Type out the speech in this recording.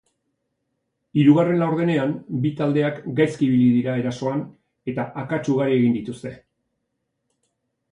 Hirugarren laurdenean bi taldeak gaizki ibili dira erasoan eta akats ugari egin dituzte.